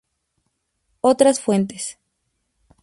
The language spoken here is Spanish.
Otras fuentes